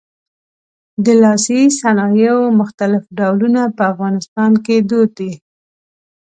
د لاسي صنایعو مختلف ډولونه په افغانستان کې دود دي.